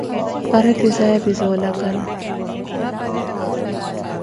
Paretizaya pi za olakala.